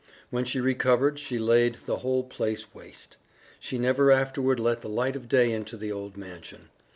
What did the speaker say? When she recovered she laid the whole place waste. She never afterward let the light of day into the old mansion.